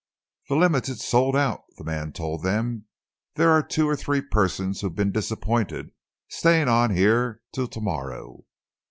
"The Limited's sold out," the man told them. "There are two or three persons who've been disappointed, staying on here till to morrow."